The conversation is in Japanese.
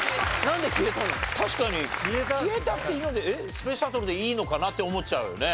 「スペースシャトル」でいいのかなって思っちゃうよね。